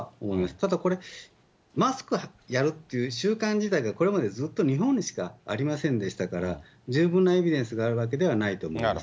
ただこれ、マスクやるっていう習慣自体が、これもずっと日本にしかありませんでしたから、十分なエビデンスがあるわけではないと思います。